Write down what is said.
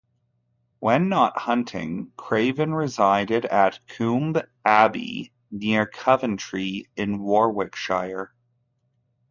When not hunting, Craven resided at Coombe Abbey, near Coventry in Warwickshire.